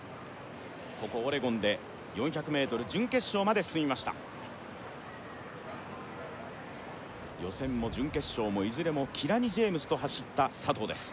ここオレゴンで４００ｍ準決勝まで進みました予選も準決勝もいずれもキラニ・ジェームスと走った佐藤です